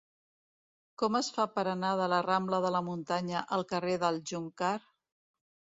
Com es fa per anar de la rambla de la Muntanya al carrer del Joncar?